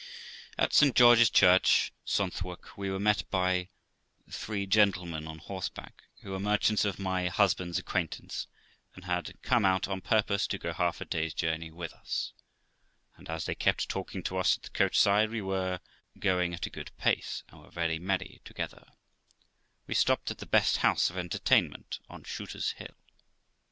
At St George's Church, Sonthwark, we were met by three gentlemen on horseback, who were merchants of my husband's acquaintance, and had come out on purpose to go half a day's journey with us ; and, as they kept talking to us at the coach side, we went a good pace, and were very merry together; we stopped at the best house of entertainment on Shooter's Hill.